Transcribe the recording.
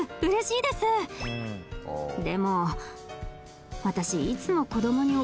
でも私。